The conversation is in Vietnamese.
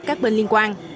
các bên liên quan